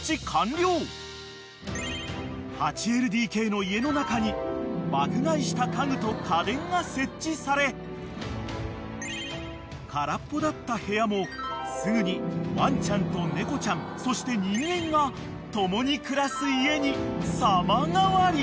［８ＬＤＫの家の中に爆買いした家具と家電が設置され空っぽだった部屋もすぐにワンちゃんと猫ちゃんそして人間が共に暮らす家に様変わり］